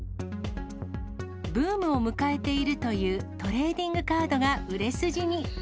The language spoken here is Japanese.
ブームを迎えているというトレーディングカードが売れ筋に。